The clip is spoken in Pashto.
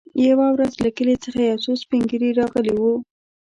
يوه ورځ له کلي څخه څو سپين ږيري راغلي وو.